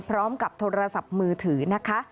พร้อมกับโทรศัพท์มือถือนะคะ